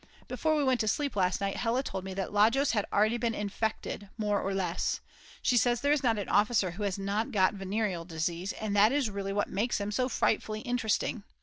Before we went to sleep last night Hella told me that Lajos had already been "infected" more or less; she says there is not an officer who has not got venereal disease and that is really what makes them so frightfully interesting.